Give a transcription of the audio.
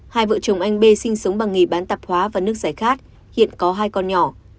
hai vợ chồng anh b sinh sống bằng nghề bán tạp hóa và nước giải khát hiện có hai con nhỏ